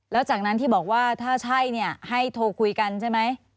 แล้วจากนั้นที่บอกว่าถ้าใช่เนี่ยให้โทรคุยกันใช่ไหม